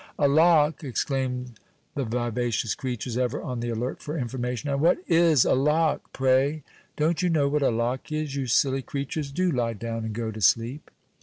"A lock!" exclaim the vivacious creatures, ever on the alert for information; "and what is a lock, pray?" "Don't you know what a lock is, you silly creatures? Do lie down and go to sleep."